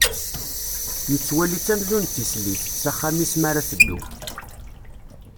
Yettwali-tt amzun d tislit, s axxam-is mi ara teddu.